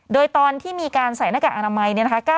โดยตอนที่มีการใส่หน้ากากอนามัย๙๓๓